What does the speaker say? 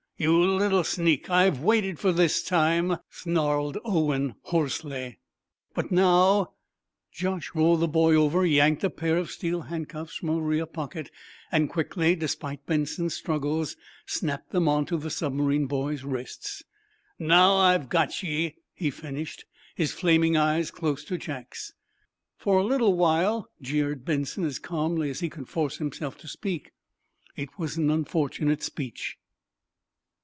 "You little sneak, I've waited for this time!" snarled Owen, hoarsely. "But now " Josh rolled the boy over, yanked a pair of steel handcuffs from a rear pocket, and quickly, despite Benson's struggles snapped them onto the Submarine boy's wrists. "Now, I've got ye!" he finished, his flaming eyes close to Jack's. "For a little while," jeered Benson, as calmly as he could force himself to speak. It was an unfortunate speech.